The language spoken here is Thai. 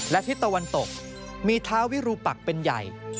และทิศตะวันตกมีท้าวิรูปักเป็นใหญ่